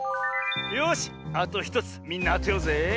よしあと１つみんなあてようぜ。